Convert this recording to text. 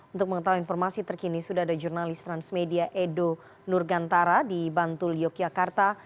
untuk mengetahui informasi terkini sudah ada jurnalis transmedia edo nurgantara di bantul yogyakarta